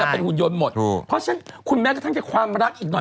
เพราะฉะนั้นคุณแม็กซ์ก็ทั้งแต่ความรักอีกหน่อย